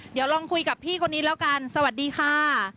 เดี๋ยวลองคุยกับพี่คนนี้แล้วกันสวัสดีค่ะ